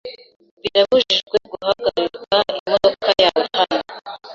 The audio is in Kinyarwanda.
Birabujijwe guhagarika imodoka yawe hano.